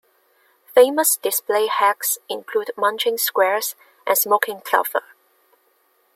Famous display hacks include "munching squares" and "smoking clover".